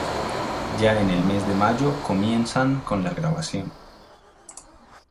Ya en el mes de mayo comienzan con la grabación.